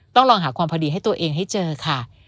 ต้องลองหาความพอดีให้ตัวเองให้เจอค่ะ